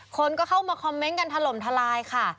คนก็เข้ามาคอมเมนต์กันถล่มทลายค่ะ